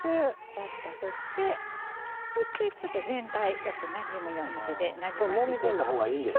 ちょっと振ってそしてちょっと全体よくなじむように手でなじませていきます。